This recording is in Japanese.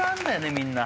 みんな。